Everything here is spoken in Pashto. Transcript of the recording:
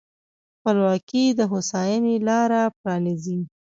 خپلواکي د هوساینې لاره پرانیزي.